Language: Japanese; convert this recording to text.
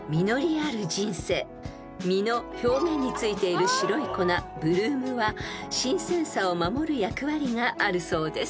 ［実の表面に付いている白い粉ブルームは新鮮さを守る役割があるそうです］